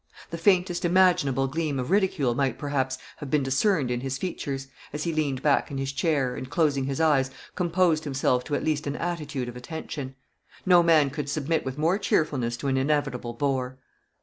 The faintest imaginable gleam of ridicule might, perhaps, have been discerned in his features, as he leaned back in his chair, and, closing his eyes, composed himself to at least an attitude of attention. No man could submit with more cheerfulness to an inevitable bore.